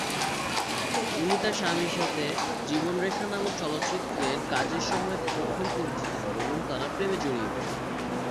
তিনি তার স্বামীর সাথে "জীবন রেখা" নামক চলচ্চিত্রের কাজের সময়ে প্রথম পরিচিত হন এবং তারা প্রেমে জড়িয়ে পড়েন।